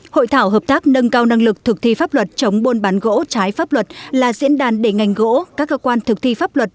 hội thảo hợp tác nâng cao năng lực thực thi pháp luật chống buôn bán gỗ trái pháp luật là diễn đàn để ngành gỗ các cơ quan thực thi pháp luật